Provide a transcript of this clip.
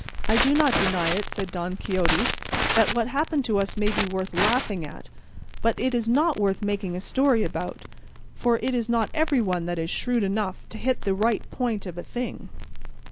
"I do not deny," said Don Quixote, "that what happened to us may be worth laughing at, but it is not worth making a story about, for it is not everyone that is shrewd enough to hit the right point of a thing."